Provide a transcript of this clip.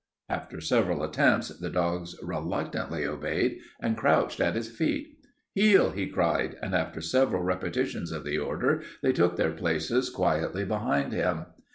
After several attempts the dogs reluctantly obeyed and crouched at his feet. "Heel!" he cried, and after several repetitions of the order they took their places quietly behind him.